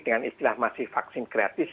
dengan istilah masih vaksin gratis